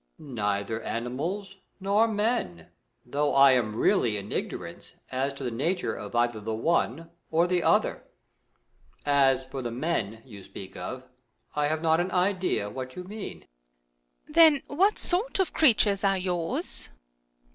Neither animals nor men, though I am really in ignorance as to the nature of either the one or the other. As for the men you speak of, I have not an idea what you mean. Earth. Then what sort of creatures are yours